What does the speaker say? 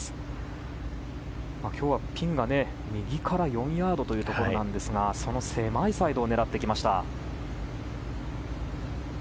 今日はピンが右から４ヤードというところですがその狭いサイドを狙ってきました。